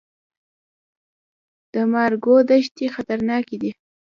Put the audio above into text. د مارګو دښتې خطرناکې دي؟